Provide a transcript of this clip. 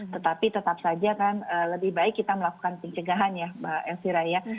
tetapi tetap saja kan lebih baik kita melakukan pencegahan ya mbak elvira ya